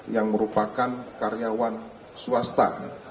yang merupakan karyawan swasta